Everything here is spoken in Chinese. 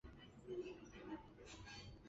谢谢大家关心